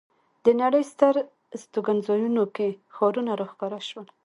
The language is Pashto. د نړۍ ستر استوګنځایونو کې ښارونه را ښکاره شول.